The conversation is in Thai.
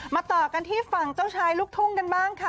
ต่อกันที่ฝั่งเจ้าชายลูกทุ่งกันบ้างค่ะ